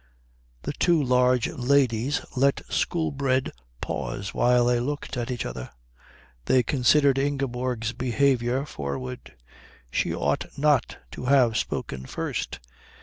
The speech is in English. The two large ladies let Shoolbred pause while they looked at each other. They considered Ingeborg's behaviour forward. She ought not to have spoken first.